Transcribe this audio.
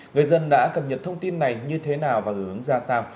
người dân đã cập nhật thông tin này như thế nào và hướng ra sao